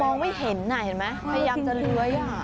พยายามจะเล้วยอ่ะ